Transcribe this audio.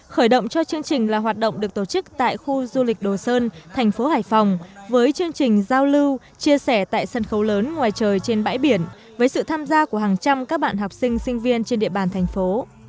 khởi động cho chương trình là hoạt động được tổ chức tại khu du lịch đồ sơn thành phố hải phòng với chương trình giao lưu chia sẻ tại sân khấu lớn ngoài trời trên bãi biển với sự tham gia của hàng trăm các bạn học sinh sinh viên trên địa bàn thành phố